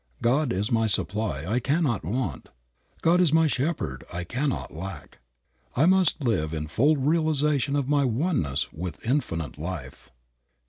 God is my supply, I cannot want. God is my shepherd, I cannot lack. I must live in full realization of my oneness with Infinite Life."